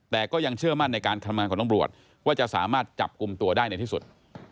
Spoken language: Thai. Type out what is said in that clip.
แต่ก็ยังเชื่อมั่นในการทำงานของตำรวจว่าจะสามารถจับกลุ่มตัวได้ในที่สุด